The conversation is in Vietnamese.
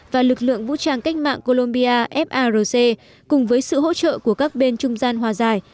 và lực lượng vũ trang cách mạng colombia farc cùng với sự hỗ trợ của các bên trung gian hòa giải